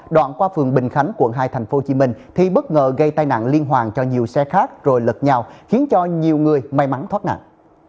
đoạn qua phường bình khánh quận hai tp hcm thì bất ngờ gây tai nạn liên hoàn cho nhiều xe khác rồi lật nhào khiến cho nhiều người may mắn thoát nạn